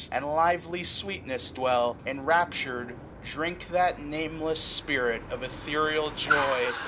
And lively sweetness dwell, enraptur'd, drink That nameless spirit of ethereal joy.